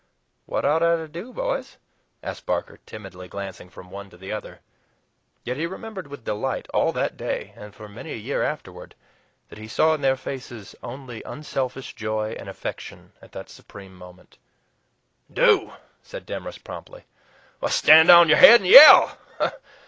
"What ought I to do, boys?" asked Barker, timidly glancing from one to the other. Yet he remembered with delight all that day, and for many a year afterward, that he saw in their faces only unselfish joy and affection at that supreme moment. "Do?" said Demorest promptly. "Stand on your head and yell!